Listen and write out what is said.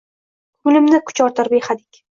Ko‘nglimda kuch ortar – behadik.